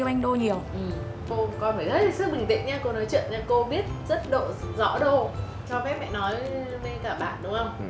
con lấy tiền của cháu